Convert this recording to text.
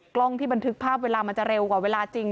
กล้องที่บันทึกภาพเวลามันจะเร็วกว่าเวลาจริง